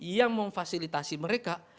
yang memfasilitasi mereka